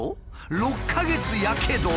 「６か月やけど」！？